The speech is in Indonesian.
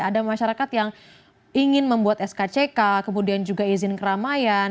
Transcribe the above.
ada masyarakat yang ingin membuat skck kemudian juga izin keramaian